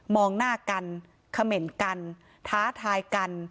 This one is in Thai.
องหน้ากันเขม่นกันท้าทายกัน